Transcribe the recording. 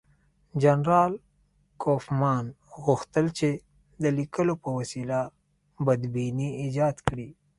جنرال کوفمان غوښتل چې د لیکونو په وسیله بدبیني ایجاد کړي.